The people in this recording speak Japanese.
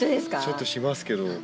ちょっとしますけど。